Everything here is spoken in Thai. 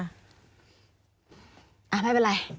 อ้าวไม่เป็นไร